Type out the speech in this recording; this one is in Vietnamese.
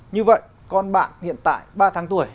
như vậy con bạn hiện tại ba tháng tuổi